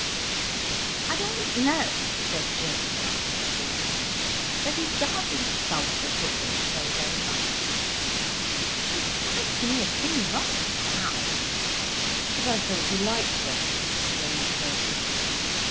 "I don't know," said Gerald, after a pause, "that he does insult the Pussum so very much. She strikes me as being rather foul." "But I thought you liked her," exclaimed Birkin.